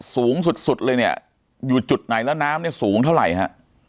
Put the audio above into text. สูงสุดสุดเลยเนี่ยอยู่จุดไหนแล้วน้ำเนี่ยสูงเท่าไหร่ฮะ